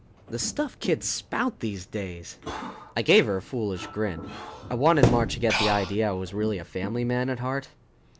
The stuff kids spout these days! I gave her a foolish grin. I wanted Marge to get the idea I was really a family man at heart.